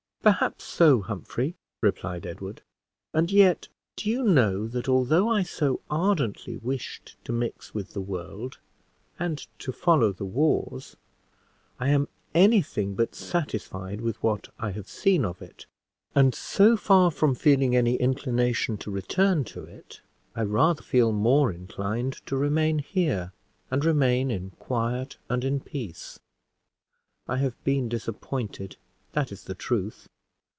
"Perhaps so, Humphrey," replied Edward; "and yet do you know, that, although I so ardently wished to mix with the world, and to follow the wars, I am any thing but satisfied with what I have seen of it; and so far from feeling any inclination to return to it, I rather feel more inclined to remain here, and remain in quiet and in peace. I have been disappointed, that is the truth.